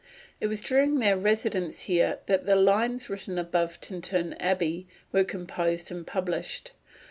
It was during their residence here that the "Lines written above Tintern Abbey" were composed and published.